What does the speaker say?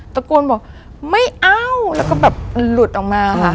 ตะโกนบอกไม่เอาแล้วก็แบบมันหลุดออกมาค่ะ